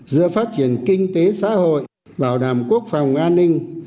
giữa phát triển kinh tế xã hội bảo đảm quốc phòng an ninh